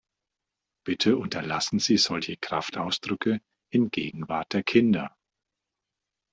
Bitte unterlassen sie solche Kraftausdrücke in Gegenwart der Kinder!